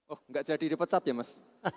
oh nggak jadi dipecat ya mas